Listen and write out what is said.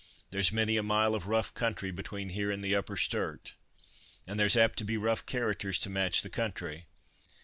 "There's many a mile of rough country, between here and the Upper Sturt, and there's apt to be rough characters to match the country.